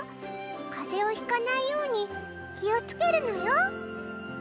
風邪をひかないように気をつけるのよ。